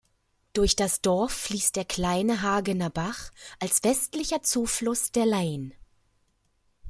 Durch das Dorf fließt der kleine Hagener Bach als westlicher Zufluss der Leine.